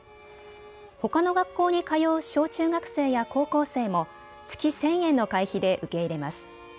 ほかの学校に通う小中学生や高校生も月１０００円の会費で受け入れます。